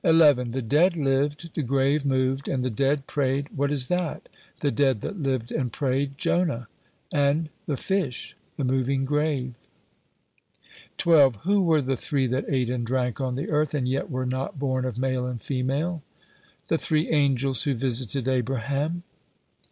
"The dead lived, the grave moved, and the dead prayed: what is that?" "The dead that lived and prayed, Jonah; and the fish, the moving grave." 12. "Who were the three that ate and drank on the earth, and yet were not born of male and female?" "The three angels who visited Abraham."